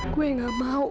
gue gak mau